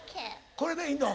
これでいいの？